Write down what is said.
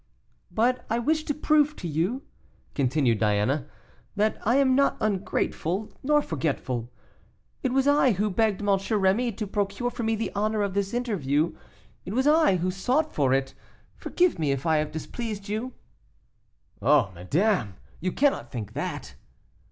"But I wished to prove to you," continued Diana, "that I am not ungrateful, nor forgetful. It was I who begged M. Rémy to procure for me the honor of this interview; it was I who sought for it, forgive me if I have displeased you." "Oh, madame! you cannot think that."